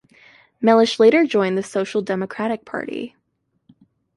Mellish later joined the Social Democratic Party.